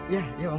ya ya bang